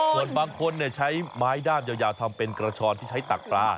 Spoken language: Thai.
ส่วนบางคนใช้ไม้ด้ามยาวทำเป็นกระชอนที่ใช้ตักปลา